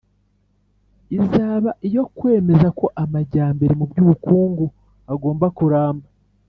izaba iyo kwemeza ko amajyambere mu by'ubukungu agomba kuramba